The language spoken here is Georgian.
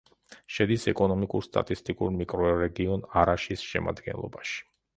შედის ეკონომიკურ-სტატისტიკურ მიკრორეგიონ არაშის შემადგენლობაში.